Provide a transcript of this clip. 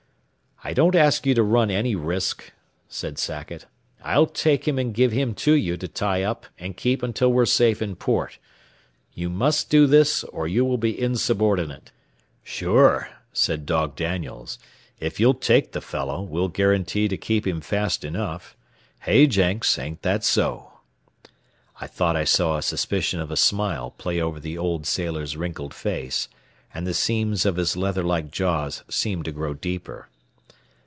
"I don't ask you to run any risk," said Sackett. "I'll take him and give him to you to tie up and keep until we're safe in port. You must do this or you will be insubordinate." "Sure," said Dog Daniels, "if you'll take the fellow, we'll guarantee to keep him fast enough. Hey, Jenks, ain't that so?" I thought I saw a suspicion of a smile play over the old sailor's wrinkled face, and the seams of his leather like jaws seemed to grow deeper.